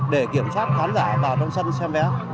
để kiểm soát khán giả vào trong sân xem vé